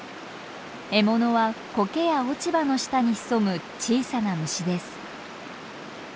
獲物はコケや落ち葉の下に潜む小さな虫です。